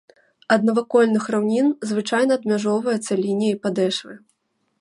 Ад навакольных раўнін звычайна адмяжоўваецца лініяй падэшвы.